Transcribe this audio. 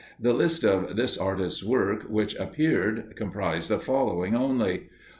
The list of this artist's works which appeared, comprised the following only: 1.